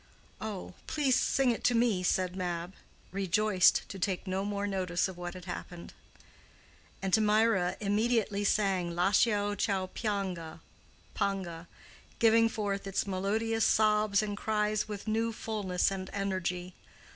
"Oh, please sing it to me," said Mab, rejoiced to take no more notice of what had happened. And Mirah immediately sang Lascia ch'io pianga, giving forth its melodious sobs and cries with new fullness and energy.